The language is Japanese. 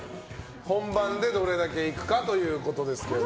本番でどれだけいくかということですけどね。